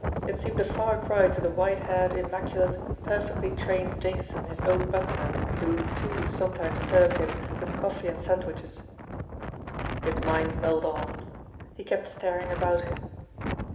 It seemed a far cry to the white haired, immaculate, perfectly trained Jason, his own butler, who, too, sometimes served him with coffee and sandwiches ! His mind mulled on. He kept staring about him.